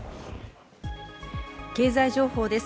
経済情報です。